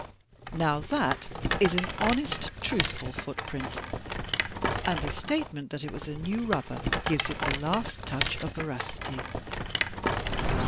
Now that is an honest, truthful footprint, and the state ment that it was a new rubber gives it the last touch of veracity.